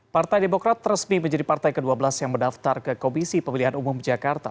partai demokrat resmi menjadi partai ke dua belas yang mendaftar ke komisi pemilihan umum jakarta